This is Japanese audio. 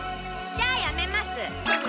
じゃあやめます。